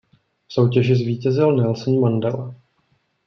V soutěži zvítězil Nelson Mandela.